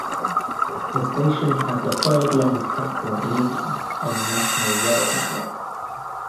The station has the third-longest platform in England on the national rail network.